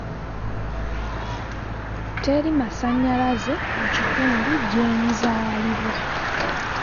Teri masannyalaze mu kitundu gye nzaalibwa.